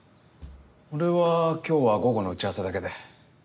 俺は今日は午後の打ち合わせだけで。